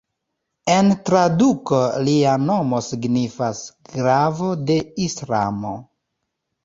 En traduko lia nomo signifas "glavo de Islamo".